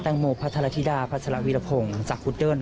แตงโมพระธรทิดาพระธรวีรพงษ์จากฮุเดิ้น